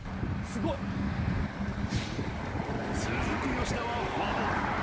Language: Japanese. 吉田はフォアボール。